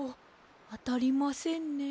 あたりませんね。